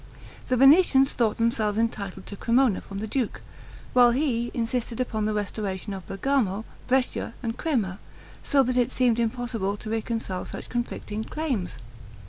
The Venetians thought themselves entitled to Cremona from the duke; while he insisted upon the restoration of Bergamo, Brescia, and Crema; so that it seemed impossible to reconcile such conflicting claims.